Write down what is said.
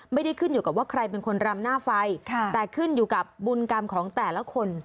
ไม่ได้ขึ้นอยู่กับว่าใครเป็นคนรำหน้าไฟแต่ขึ้นอยู่กับบุญกรรมของแต่ละคน